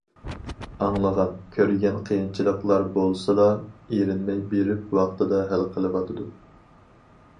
ئاڭلىغان، كۆرگەن قىيىنچىلىقلار بولسىلا، ئېرىنمەي بېرىپ ۋاقتىدا ھەل قىلىۋاتىدۇ.